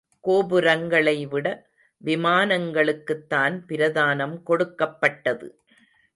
கோபுரங்களை விட, விமானங்களுக்குத்தான் பிரதானம் கொடுக்கப்பட்டது.